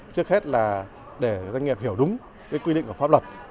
trước hết là để doanh nghiệp hiểu đúng cái quy định của pháp luật